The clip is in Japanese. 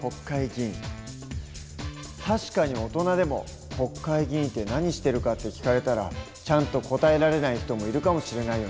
確かに大人でも国会議員って何してるかって聞かれたらちゃんと答えられない人もいるかもしれないよね。